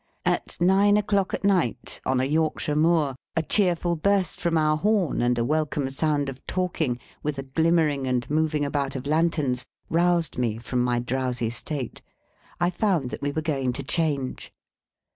At nine o'clock at night, on a Yorkshire moor, a cheerful burst from our horn, and a welcome sound of talking, with a glimmering and moving about of lanterns, roused me from my drowsy state. I found that we were going to change.